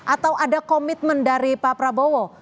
atau ada komitmen dari pak prabowo